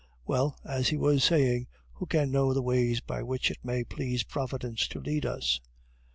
Well, as he was saying, who can know the ways by which it may please Providence to lead us?"